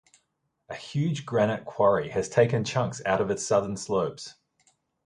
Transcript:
A huge granite quarry has taken chunks out of its southern slopes.